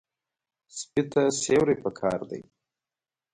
سپي ته سیوري پکار دی.